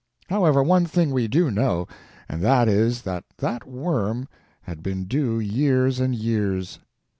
However, one thing we do know; and that is that that worm had been due years and years.